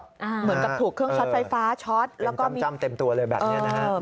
เหมือนกับถูกเครื่องช็อตไฟฟ้าช็อตเต็มตัวเลยแบบนี้นะครับ